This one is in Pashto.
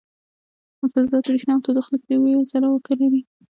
فلزات بریښنا او تودوخه لیږدوي او ځلا لري.